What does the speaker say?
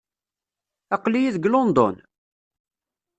Aql-iyi deg London?